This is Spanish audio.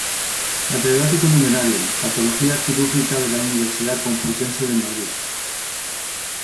Catedrático numerario Patología quirúrgica de la Universidad Complutense de Madrid.